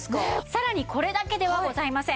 さらにこれだけではございません。